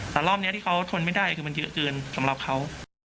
แต่รอบนี้ที่เขาทนไม่ได้คือมันเยอะเกินสำหรับเขา